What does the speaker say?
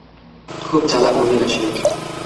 খুব চালাক মহিলা সে।